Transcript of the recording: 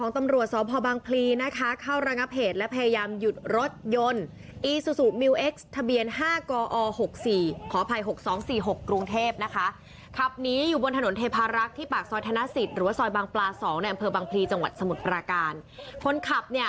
ตำรวจยังไปต่อคุณผู้ชมมีคลิปให้ดูกันด้วยค่ะ